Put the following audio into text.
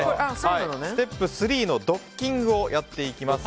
ステップ３のドッキングをやっていきます。